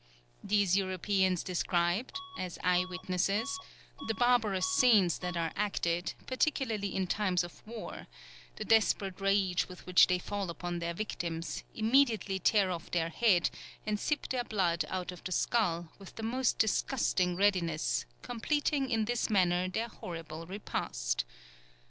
These Europeans described, as eye witnesses, the barbarous scenes that are acted, particularly in times of war the desperate rage with which they fall upon their victims, immediately tear off their head, and sip their blood out of the skull, with the most disgusting readiness, completing in this manner their horrible repast.